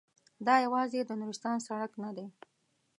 دا یوازې د نورستان سړک نه دی.